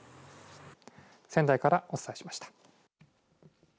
仙台からお伝えしました。